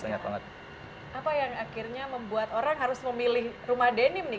apa yang akhirnya membuat orang harus memilih rumah denim nih